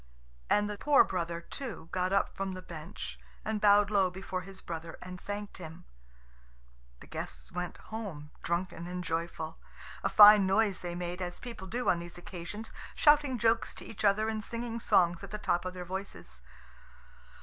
And the poor brother too got up from the bench, and bowed low before his brother and thanked him. The guests went home, drunken and joyful. A fine noise they made, as people do on these occasions, shouting jokes to each other and singing songs at the top of their voices.